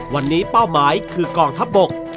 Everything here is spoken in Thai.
วันนี้เป้าหมายคือกองทัพบก